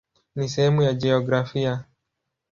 Ni sehemu ya jiografia.